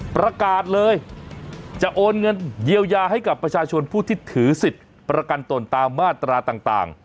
ประกาศเลยจะโอนเงินเยียวยาให้กับประชาชนผู้ที่ถือสิทธิ์ประกันตนตามมาตราต่าง